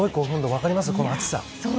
分かりますか、この熱さ。